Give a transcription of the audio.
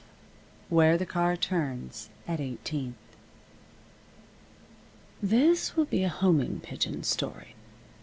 XII WHERE THE CAR TURNS AT 18TH This will be a homing pigeon story.